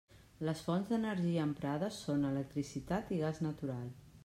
Les fonts d'energia emprades són electricitat i gas natural.